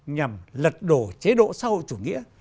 nhằm lật đổ chế độ xã hội chủ nghĩa